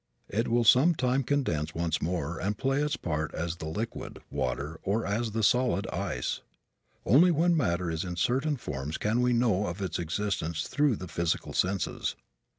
It will some time condense once more and play its part as the liquid, water, or as the solid, ice. Only when matter is in certain forms can we know of its existence through the physical senses.